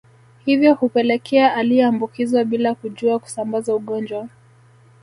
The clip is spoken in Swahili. Hivyo hupelekea aliyeambukizwa bila kujua kusambaza ugonjwa